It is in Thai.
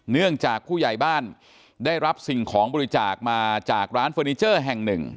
เนื่องจากผู้ใหญ่บ้านได้รับสิ่งของบริจาคมาจากร้านเฟอร์นิเจอร์แห่งหนึ่ง